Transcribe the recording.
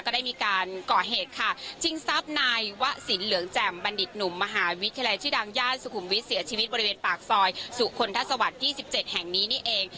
ก็ได้มีการก่อเหตุค่ะชิงทราบนายวะศีลเหลืองแจ่มบัณฑิตหนุ่มมหาวิทยาลัยที่ดังย่านสุขุมวิทย์เสียชีวิตบริเวณปากซอยสุขนทะสวัสดิ์ที่สิบเจ็ดแห่งนี้นี่เอง